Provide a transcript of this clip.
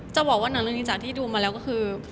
จะบอกว่าหนังเรื่องนี้จากที่ดูมาแล้วก็คือ